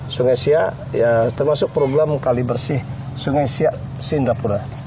sungai siak termasuk program kali bersih sungai siak singapura